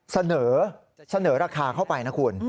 เสนอราคาเข้าไปนะคุณ